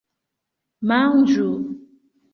Manĝu!!